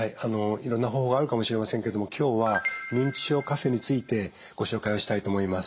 いろんな方法あるかもしれませんけども今日は認知症カフェについてご紹介をしたいと思います。